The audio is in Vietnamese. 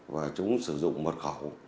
và chúng sử dụng mật khẩu